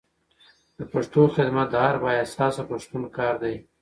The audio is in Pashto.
د پښتو خدمت د هر با احساسه پښتون کار دی.